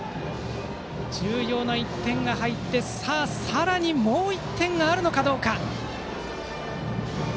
重要な１点が入ってさらにもう１点があるかどうか。